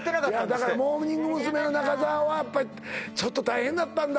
いやだからモーニング娘。の中澤はやっぱちょっと大変だったんだ